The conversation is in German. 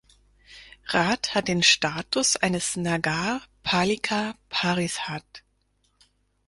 Rath hat den Status eines Nagar Palika Parishad.